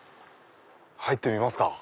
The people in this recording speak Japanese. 入ってみますか。